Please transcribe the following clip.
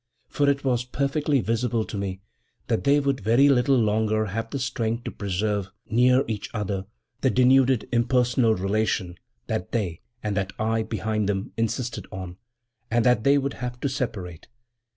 For it was perfectly visible to me that they would very little longer have the strength to preserve, near each other, the denuded impersonal relation that they, and that I, behind them, insisted on; and that they would have to separate.